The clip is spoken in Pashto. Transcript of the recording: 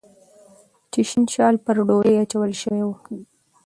چې شین شال پر ډولۍ اچول شوی و